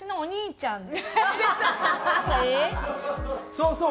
そうそう。